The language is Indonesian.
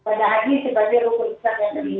kalau tidak begitu juga pak